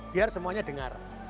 biar semuanya dengar